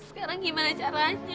sekarang bagaimana caranya